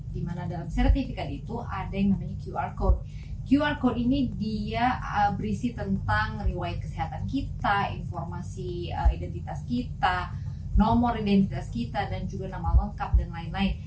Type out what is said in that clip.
di mana dalam sertifikat itu ada yang namanya qr code qr code ini dia berisi tentang riwayat kesehatan kita informasi identitas kita nomor identitas kita dan juga nama lengkap dan lain lain